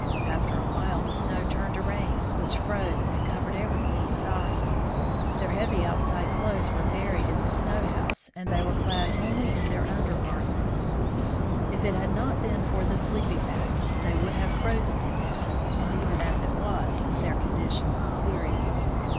After a while the snow turned to rain, which froze and covered everything with ice. Their heavy outside clothes were buried in the snow house, and they were clad only in their under garments. If it had not been for the sleeping bags, they would have frozen to death, and even as it was, their condition was serious.